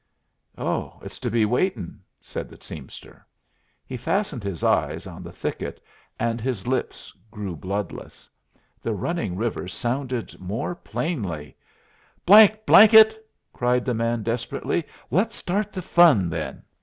"Oh, it's to be waitin'?" said the teamster. He fastened his eyes on the thicket, and his lips grew bloodless. The running river sounded more plainly. " it!" cried the man, desperately, "let's start the fun, then."